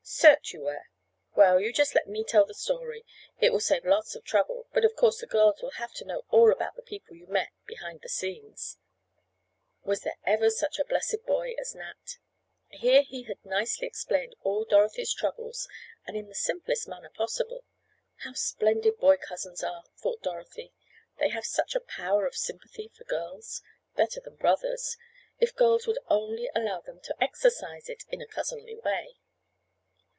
"Cert you were. Well, you just let me tell the story. It will save lots of trouble, but of course the girls will have to know all about the people you met—behind the scenes." Was ever there such a blessed boy as Nat? Here he had nicely explained all Dorothy's troubles and in the simplest manner possible. How splendid boy cousins are, thought Dorothy. They have such a power of sympathy for girls—better than brothers—if girls would only allow them to exercise it—in a cousinly way.